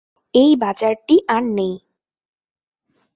এই বাজারটি আজ আর নেই।